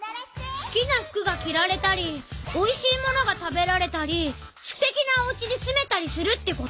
すきな服が着られたりおいしいものが食べられたりすてきなおうちに住めたりするってこと？